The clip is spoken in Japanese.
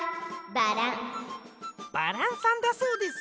「バラン」さんだそうです。